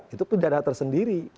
itu pindahan tersendiri